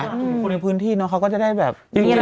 คนในพื้นที่เนอะเขาก็จะได้แบบ